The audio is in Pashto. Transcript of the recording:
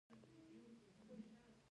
نن علي په بې ځایه خبره اسمان په سر اخیستی و